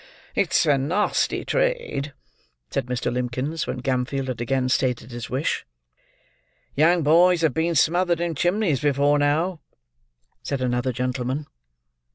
"It's a nasty trade," said Mr. Limbkins, when Gamfield had again stated his wish. "Young boys have been smothered in chimneys before now," said another gentleman.